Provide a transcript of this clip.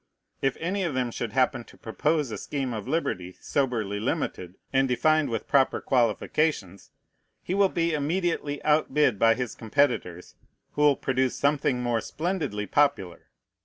If any of them should happen to propose a scheme of liberty soberly limited, and defined with proper qualifications, he will be immediately outbid by his competitors, who will produce something more splendidly popular.